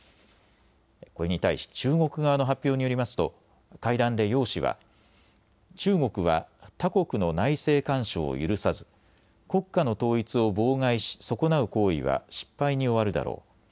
これに対し中国側の発表によりますと会談で楊氏は中国は他国の内政干渉を許さず国家の統一を妨害し損なう行為は失敗に終わるだろう。